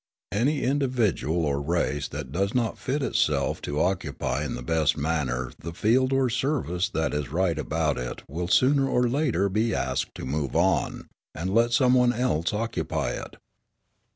Any individual or race that does not fit itself to occupy in the best manner the field or service that is right about it will sooner or later be asked to move on, and let some one else occupy it.